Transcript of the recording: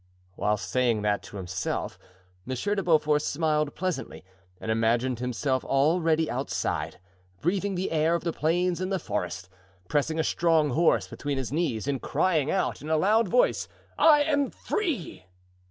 Whilst saying that to himself, Monsieur de Beaufort smiled pleasantly and imagined himself already outside, breathing the air of the plains and the forests, pressing a strong horse between his knees and crying out in a loud voice, "I am free!"